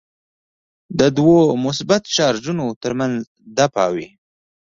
د دوو مثبت چارجونو ترمنځ دفعه وي.